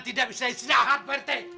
tidak bisa istirahat pt